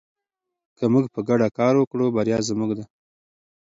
که موږ په ګډه کار وکړو بریا زموږ ده.